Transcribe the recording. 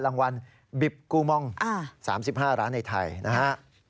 รางวัลบิบกู้ม่องสามสิบห้าร้านในไทยนะฮะ